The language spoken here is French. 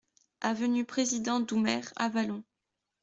Avenue Président Doumer, Avallon